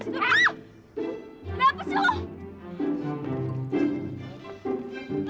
udah hapus itu